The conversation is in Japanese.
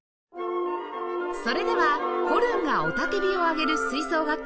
それではホルンが雄叫びを上げる吹奏楽曲